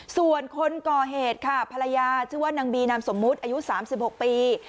ส่วนคนก่อเหตุค่ะภรรยาชื่อว่านางบีนามสมมุติอายุ๓๖ปี